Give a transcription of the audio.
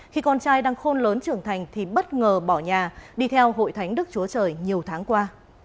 khi con trai đang khôn lớn trưởng thành thì bất ngờ bỏ nhà đi theo hội thánh đức chúa trời nhiều tháng qua